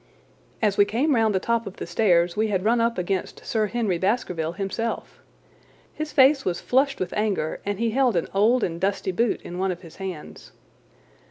As we came round the top of the stairs we had run up against Sir Henry Baskerville himself. His face was flushed with anger, and he held an old and dusty boot in one of his hands.